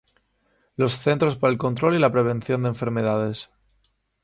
Los Centros para el Control y la Prevención de Enfermedades